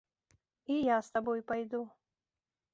І я з табой пайду.